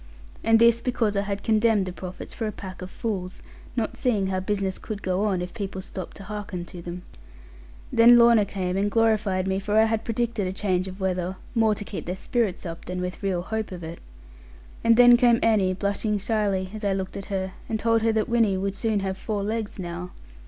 And this because I had condemned the prophets for a pack of fools; not seeing how business could go on, if people stopped to hearken to them. Then Lorna came and glorified me, for I had predicted a change of weather, more to keep their spirits up, than with real hope of it; and then came Annie blushing shyly, as I looked at her, and said that Winnie would soon have four legs now.